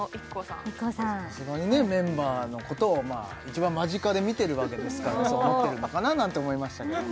さすがにメンバーのことを一番間近で見てるわけですからそう思ってるのかななんて思いましたけど